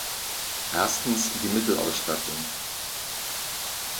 Erstens die Mittelausstattung.